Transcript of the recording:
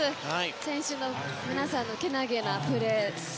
選手の皆さんのけなげなプレー、姿。